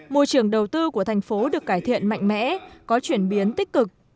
môi trường đầu tư của thành phố được cải thiện mạnh mẽ có chuyển biến tích cực